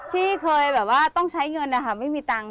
พี่เคยแบบว่าต้องใช้เงินนะคะไม่มีตังค์